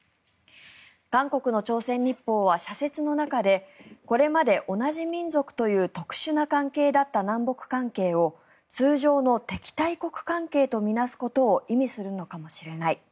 韓国の朝鮮日報は社説の中でこれまで同じ民族という特殊な関係だった南北関係を通常の敵対国関係と見なすことを意味するのかもしれない